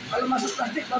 kalau masuk takjik kurang